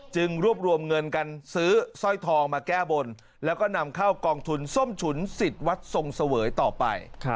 รวบรวมเงินกันซื้อสร้อยทองมาแก้บนแล้วก็นำเข้ากองทุนส้มฉุนสิทธิ์วัดทรงเสวยต่อไป